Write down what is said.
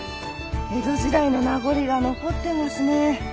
江戸時代の名残が残ってますね。